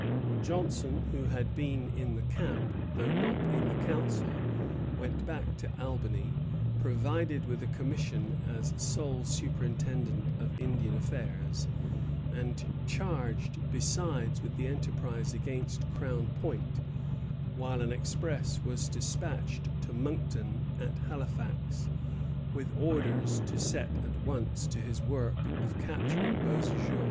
Johnson, who had been in the camp, though not in the Council, went back to Albany, provided with a commission as sole superintendent of Indian affairs, and charged, besides, with the enterprise against Crown Point; while an express was despatched to Monckton at Halifax, with orders to set at once to his work of capturing Beauséjour.